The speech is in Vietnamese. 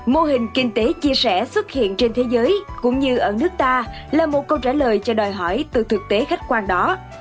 mô hình kinh tế chia sẻ xuất hiện trên thế giới cũng như ở nước ta là một câu trả lời cho đòi hỏi từ thực tế khách quan đó